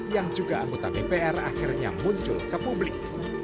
yang juga anggota dpr akhirnya muncul ke publik